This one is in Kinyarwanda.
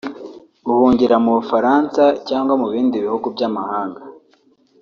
Guhungira mu Bufaransa cyangwa mu bindi bihugu by’amahanga